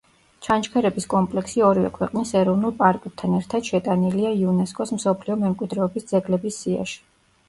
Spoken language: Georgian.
ჩანჩქერების კომპლექსი ორივე ქვეყნის ეროვნულ პარკებთან ერთად შეტანილია იუნესკოს მსოფლიო მემკვიდრეობის ძეგლების სიაში.